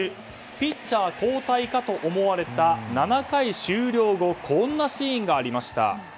ピッチャー交代かと思われた７回終了後こんなシーンがありました。